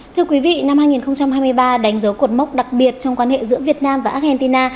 thưa quý vị năm hai nghìn hai mươi ba đánh dấu cột mốc đặc biệt trong quan hệ giữa việt nam và argentina